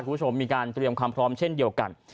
คุณผู้ชมมีการเตรียมความพร้อมเช่นเดียวกัน